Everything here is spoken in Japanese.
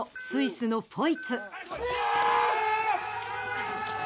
スイスのフォイツ。